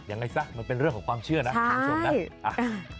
ยังไงซะมันเป็นเรื่องของความเชื่อนะถามส่วนหน้า